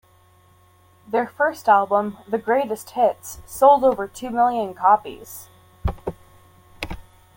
Their first album, "The Greatest Hits", sold over two million copies.